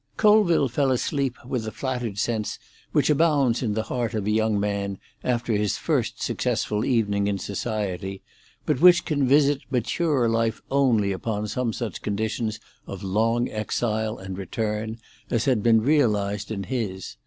V Colville fell asleep with the flattered sense which abounds in the heart of a young man after his first successful evening in society, but which can visit maturer life only upon some such conditions of long exile and return as had been realised in his.